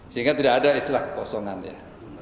sehingga tidak ada istilah kekosongannya